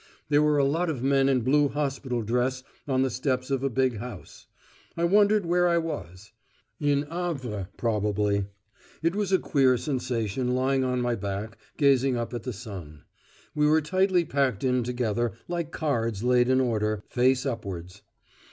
There were a lot of men in blue hospital dress on the steps of a big house. I wondered where I was: in Havre probably. It was a queer sensation lying on my back gazing up at the sun; we were tightly packed in together, like cards laid in order, face upwards.